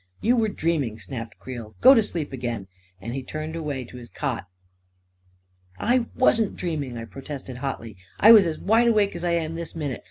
" You were dreaming! " snapped Creel. " Go to sleep again !" and he turned away to his cot. "I wasn't dreaming I " I protested hotly. "I was as wide awake as I am this minute.